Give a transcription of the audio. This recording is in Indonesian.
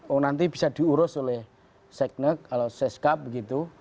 oh nanti bisa diurus oleh seknek atau seskap begitu